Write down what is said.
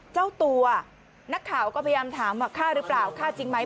เจ้าตัวนักข่าวก็พยายามถามว่าฆ่าหรือเปล่าฆ่าจริงไหม